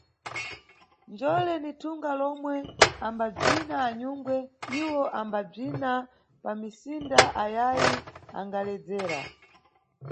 Njole ni thunga lomwe ambabzina anyungwe, iwo ambabzina pamisinda ayayi angaledzera.